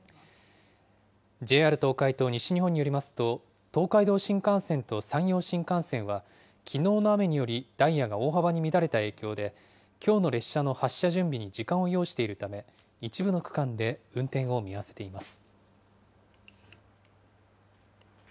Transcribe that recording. ＪＲ東海と西日本によりますと、東海道新幹線と山陽新幹線はきのうの雨により、ダイヤが大幅に乱れた影響で、きょうの列車の発車準備に時間を要しているため、一部の区間で運転を見合わせています。